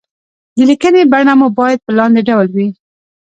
د ليکنې بڼه مو بايد په لاندې ډول وي.